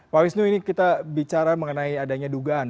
pak wisnu ini kita bicara mengenai adanya dugaan